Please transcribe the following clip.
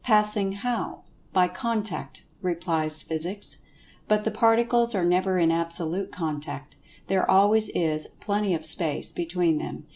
Passing how? "By contact," replies Physics. But, the Particles are never in absolute contact—there always is "plenty of space" between them.